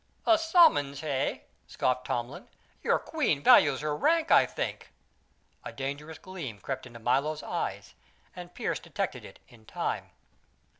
"A summons, hey?" scoffed Tomlin. "Your queen values her rank, I think." A dangerous gleam crept into Milo's eyes, and Pearse detected it in time.